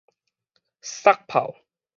捒炮